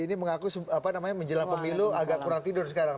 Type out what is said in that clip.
ini mengaku menjelang pemilu agak kurang tidur sekarang